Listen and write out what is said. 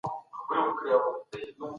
قانوني سیسټم باید شفاف او روښانه وي.